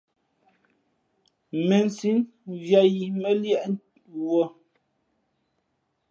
Mēnsī , mviāt yī mά liēʼ wuᾱ.